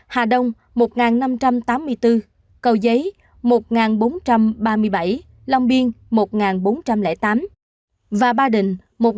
một sáu trăm chín mươi bốn hà đông một năm trăm tám mươi bốn cầu giấy một bốn trăm ba mươi bảy long biên một bốn trăm linh tám và ba đình một ba trăm tám mươi sáu